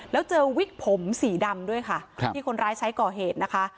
แล้วเจอวิกผมสีดำด้วยค่ะที่คนร้ายใช้ก่อเหตุนะคะ